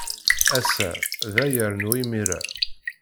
Ass-a, da yernu imir-a.